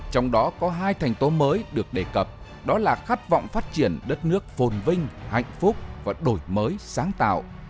trong đó có hai thành tố mới được đề cập đó là khát vọng phát triển đất nước phồn vinh hạnh phúc và đổi mới sáng tạo